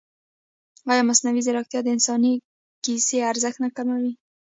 ایا مصنوعي ځیرکتیا د انساني کیسې ارزښت نه کموي؟